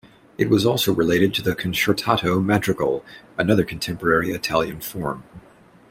It was also related to the concertato madrigal, another contemporary Italian form.